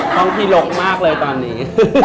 ห้องพี่ลกมากเลยตอนนี้